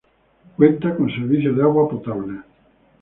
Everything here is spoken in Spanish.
Cuenta con servicio de agua potable.